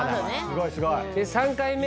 すごいすごい。